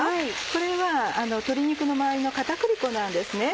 これは鶏肉の周りの片栗粉なんですね。